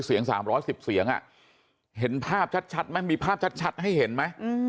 เสียง๓๑๐เสียงเห็นภาพชัดไหมมีภาพชัดให้เห็นไหม